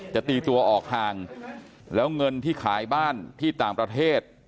จะตีตัวออกห่างแล้วเงินที่ขายบ้านที่ต่างประเทศ